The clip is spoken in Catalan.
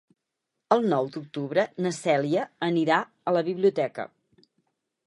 El nou d'octubre na Cèlia anirà a la biblioteca.